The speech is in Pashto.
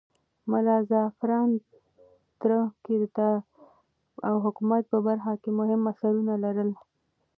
ملا زعفران تره کى د طب او حکمت په برخه کې مهم اثرونه لرل.